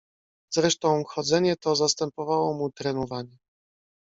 "Zresztą chodzenie to zastępowało mu trenowanie."